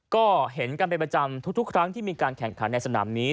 ก็เห็นกันเป็นประจำทุกครั้งที่มีการแข่งขันในสนามนี้